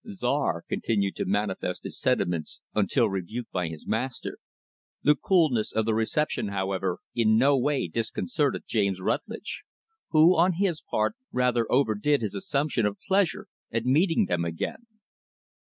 Czar continued to manifest his sentiments until rebuked by his master. The coolness of the reception, however, in no way disconcerted James Rutlidge; who, on his part, rather overdid his assumption of pleasure at meeting them again.